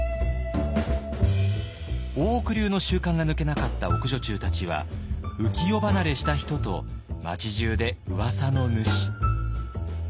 大奥流の習慣が抜けなかった奥女中たちは浮世離れした人と町じゅうでうわさの主。